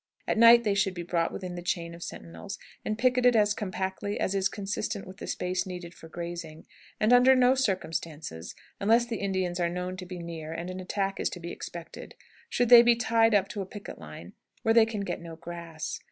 At night they should be brought within the chain of sentinels and picketed as compactly as is consistent with the space needed for grazing, and under no circumstances, unless the Indians are known to be near and an attack is to be expected, should they be tied up to a picket line where they can get no grass.